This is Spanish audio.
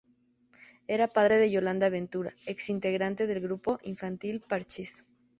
Era padre de Yolanda Ventura, ex integrante del grupo infantil Parchís.